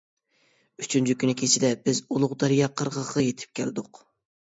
ئۈچىنچى كۈنى كېچىدە بىز «ئۇلۇغ دەريا» قىرغىقىغا يېتىپ كەلدۇق.